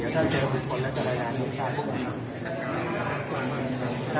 การเจอผู้คนและการรายละเอียด